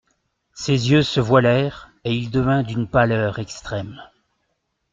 Ses yeux se voilèrent et il devint d'une pâleur extrême.